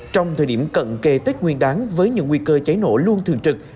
trong thời điểm cận kề tách nguyên đoán với những nguy cơ trái nổ luôn thường trực